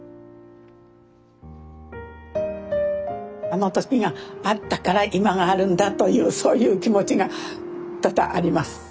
あの時があったから今があるんだというそういう気持ちが多々あります。